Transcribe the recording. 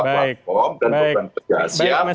platform dan program kerja